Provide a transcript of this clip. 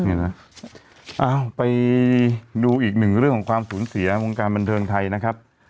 เอ้าไปดูอีกหนึ่งเรื่องของความสูญเสียวงการบันเทิงไทยนะครับ